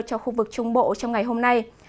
cho khu vực trung bộ trong ngày hôm nay